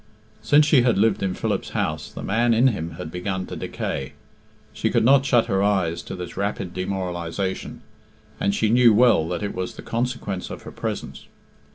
Since she had lived in Philip's house the man in him had begun to decay. She could not shut her eyes to this rapid demoralisation, and she knew well that it was the consequence of her presence.